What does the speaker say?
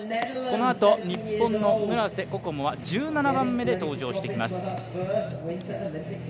このあと、日本の村瀬心椛は１７番目で登場してきます。